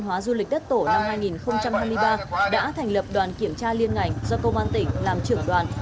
văn hóa du lịch đất tổ năm hai nghìn hai mươi ba đã thành lập đoàn kiểm tra liên ngành do công an tỉnh làm trưởng đoàn